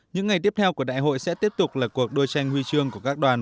những ngày tiếp theo của đại hội sẽ tiếp tục là cuộc đua tranh huy chương của các đoàn